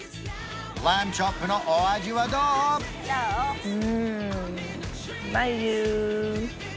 ラムチョップのお味はどう？